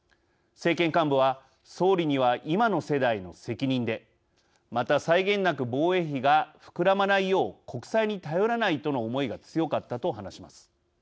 政権幹部は「総理には今の世代の責任でまた際限なく防衛費が膨らまないよう国債に頼らないとの思いが強かった」と話します。